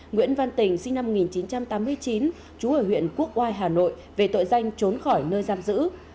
nguyễn văn tình sinh năm một nghìn chín trăm tám mươi chín chú ở huyện quốc oai hà nội về tội danh trốn khỏi nơi giam giữ